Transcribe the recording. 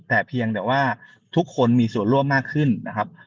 แต่เพียงแต่ว่าทุกคนมีส่วนร่วมมากขึ้นนะครับ